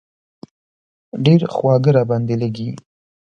ډېر خواږه را باندې لږي.